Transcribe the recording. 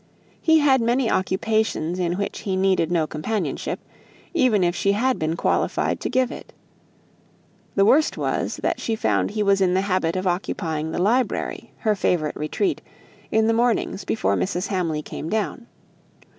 He had many occupations in which he needed no companionship, even if she had been qualified to give it. The worst was, that she found he was in the habit of occupying the library, her favourite retreat, in the mornings before Mrs. Hamley came down.